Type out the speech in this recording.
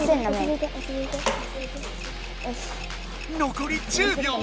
残り１０秒！